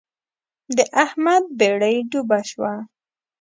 د احمد بېړۍ ډوبه شوه.